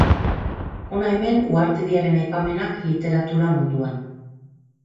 Hona hemen uhartediaren aipamenak literatura munduan.